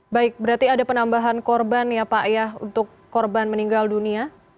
baik berarti ada penambahan korban ya pak ayah untuk korban meninggal dunia